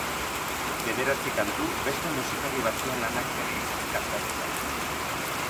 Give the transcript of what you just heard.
Bederatzi kantu, beste musikari batzuen lanak bere hitzez kantatuta.